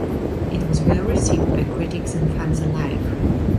It was well received by critics and fans alike.